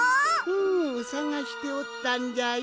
うんさがしておったんじゃよ。